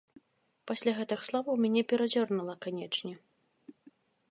Пасля гэтых словаў мяне перадзёрнула, канечне.